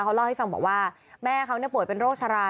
เขาเล่าให้ฟังบอกว่าแม่เขาป่วยเป็นโรคชะลา